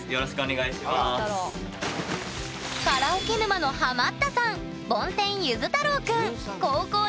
「カラオケ沼」のハマったさん